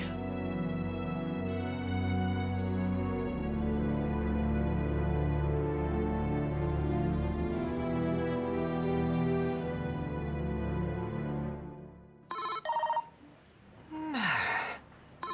kalau kita sedang menyelidikinya